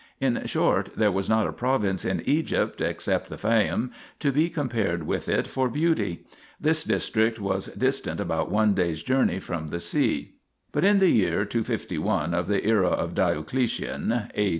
In short, there was not a province in Egypt except the Fayum, to be compared with it for beauty. This district was distant about one day's journey from the sea. ... But in the year 251 of the era of Dio cletian (A.